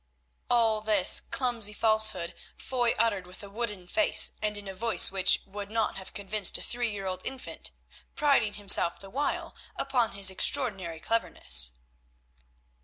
All this clumsy falsehood Foy uttered with a wooden face and in a voice which would not have convinced a three year old infant, priding himself the while upon his extraordinary cleverness.